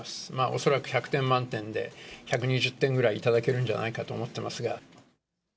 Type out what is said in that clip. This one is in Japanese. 恐らく１００点満点で１２０点ぐらい頂けるんじゃないかと思ってますが。